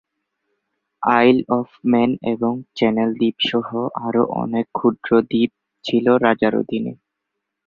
আইল of Man এবং channel দ্বীপ সহ আরো অনেক ক্ষুদ্র দ্বীপ ছিল রাজার অধীনে।